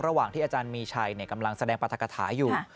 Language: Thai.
ระหว่างที่อาจารย์มีชัยกำลังแสดงปรัฐกฐาอยู่